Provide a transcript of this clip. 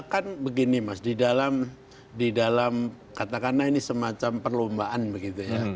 kan begini mas di dalam katakanlah ini semacam perlombaan begitu ya